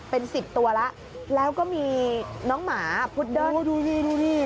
เป็นสิบตัวแล้วแล้วก็มีน้องหมาพุดเดิ้ดูนี่ดูดิ